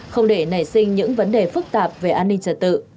không để nảy sinh những vấn đề phức tạp về an ninh trật tự